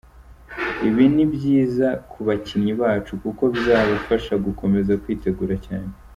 Ibi ni byiza ku bakinnyi bacu kuko bizabafasha gukomeza kwitegura cyane.